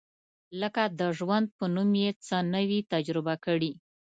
لکه د ژوند په نوم یې څه نه وي تجربه کړي.